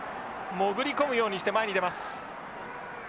潜り込むようにして前に出ます。